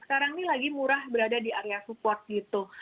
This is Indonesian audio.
sekarang ini lagi murah berada di area support gitu